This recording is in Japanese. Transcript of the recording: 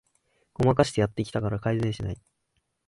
ごまかしてやってきたから改善しない